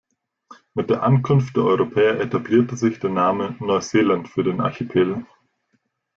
Mit der Ankunft der Europäer etablierte sich der Name „Neuseeland“ für den Archipel.